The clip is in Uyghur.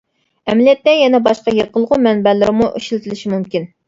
ئەمەلىيەتتە يەنە باشقا يېقىلغۇ مەنبەلىرىمۇ ئىشلىتىلىشى مۇمكىن.